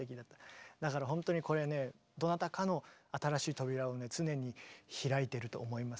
だからほんとにこれねどなたかの新しい扉をね常に開いてると思います。